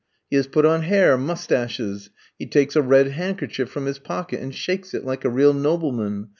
He has put on hair, moustaches. He takes a red handkerchief from his pocket and shakes it, like a real nobleman.